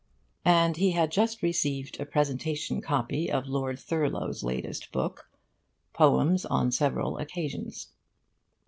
And he had just received a presentation copy of Lord Thurloe's latest book, 'Poems on Several Occasions.